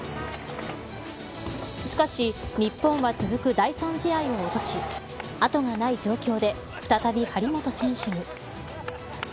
しかし、日本は続く第３試合を落とし後がない状況で再び張本選手に。